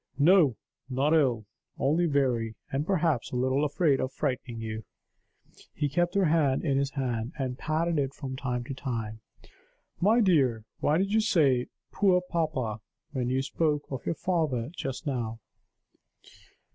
"No; not ill. Only weary, and perhaps a little afraid of frightening you." He kept her hand in his hand, and patted it from time to time. "My dear, why did you say 'poor papa,' when you spoke of your father just now?"